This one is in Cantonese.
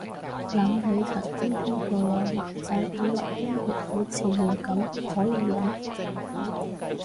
諗起曾經聽過有男仔以為經血好似尿咁可以忍